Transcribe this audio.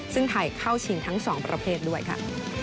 ซึ่งไทยเข้าชิงทั้ง๒ประเภทด้วยค่ะ